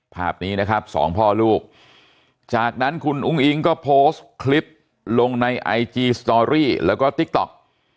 ภาพนี้นะครับสองพ่อลูกจากนั้นคุณอุ้งอิงก็โพสต์คลิปลงในไอจีสตอรี่แล้วก็ติ๊กต๊อก